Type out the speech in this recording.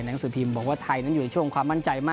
หนังสือพิมพ์บอกว่าไทยนั้นอยู่ในช่วงความมั่นใจมาก